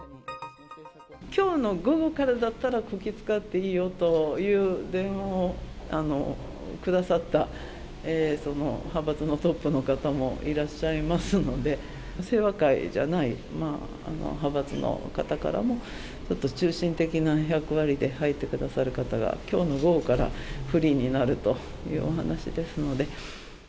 きょうの午後からだったら、こき使っていいよという電話をくださった、その派閥のトップの方もいらっしゃいますので、清和会じゃない派閥の方からも、ちょっと中心的な役割で入ってくださる方が、きょうの午後からフリーになるというお話ですので。